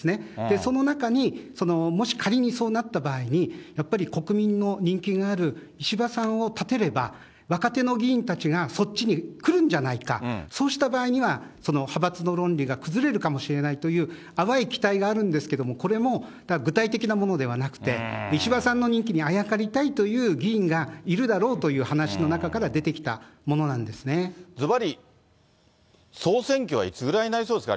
その中に、もし仮にそうなった場合に、やっぱり国民の人気がある、石破さんを立てれば、若手の議員たちがそっちに来るんじゃないか、そうした場合には、その派閥の論理が崩れるかもしれないという、淡い期待があるんですけれども、これも具体的なものではなくて、石破さんの人気にあやかりたいという議員がいるだろうという話のずばり、総選挙はいつぐらいになりそうですか？